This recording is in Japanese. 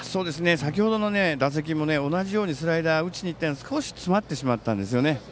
先程の打席も同じようにスライダーを打ちに行って少し詰まってしまったんですね。